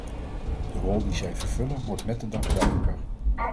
De rol die zij vervullen wordt met de dag duidelijker.